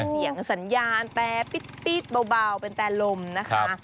เสียงสัญญาณแต่ปี๊ดเบาเป็นแต่ลมนะคะ